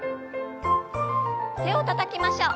手をたたきましょう。